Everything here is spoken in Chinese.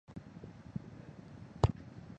这个名词一般在使用上带有负面的意思。